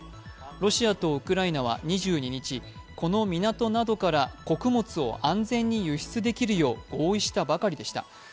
ロシアとウクライナは２２日、この港などから穀物を安全に輸出できるよう合意したばかりでした。